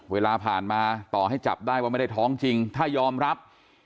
เวลาผ่านมาต่อให้จับได้ว่าไม่ได้ท้องจริงถ้ายอมรับ